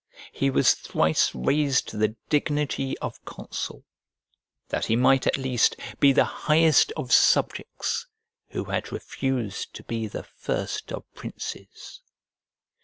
He was thrice raised to the dignity of consul, that he might at least be the highest of subjects, who had refused to be the first of princes.